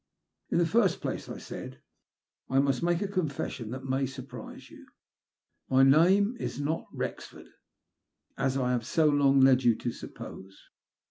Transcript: '' In the first place," I said, '' I must make a con fession that may surprise you. My name is net WrojLford, as I have so long led you to suppose.